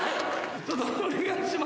ちょっとお願いします。